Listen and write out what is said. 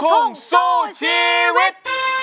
ลูกทุ่งสู้ชีวิต